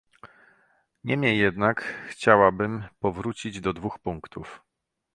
Niemniej jednak chciałabym powrócić do dwóch punktów